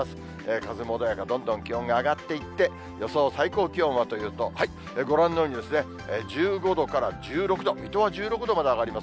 風も穏やか、どんどん気温が上がっていって、予想最高気温はというと、ご覧のように１５度から１６度、水戸は１６度まで上がります。